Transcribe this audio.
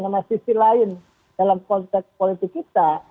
yang melihat sisi lain dalam konteks politik kita